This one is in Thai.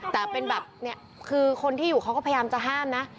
แต่เป็นแบบเนี่ยคือคนที่อยู่เขาก็พยายามจะห้ามนะ